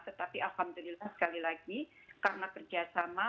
tetapi alhamdulillah sekali lagi karena kerjasama